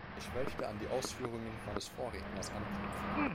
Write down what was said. Ich möchte an die Ausführungen meines Vorredners anknüpfen.